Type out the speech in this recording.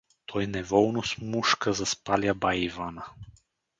Той неволно смушка заспалия бай Ивана.